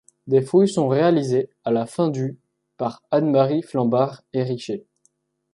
Des fouilles sont réalisées à la fin du par Anne-Marie Flambard Héricher.